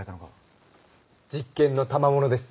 実験のたまものです。